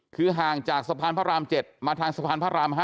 คือห่างจากสะพานพระราม๗มาทางสะพานพระราม๕